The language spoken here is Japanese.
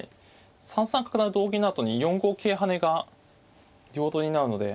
３三角成同銀のあとに４五桂跳ねが両取りになるので。